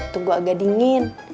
tunggu agak dingin